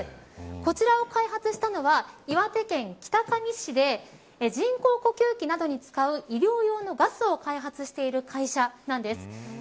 こちらを開発したのは岩手県北上市で人工呼吸器などに使う医療用のバスを開発している会社なんです。